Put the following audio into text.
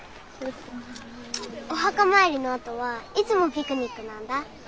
お墓参りのあとはいつもピクニックなんだ。